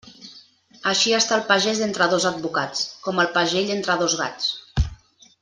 Així està el pagès entre dos advocats, com el pagell entre dos gats.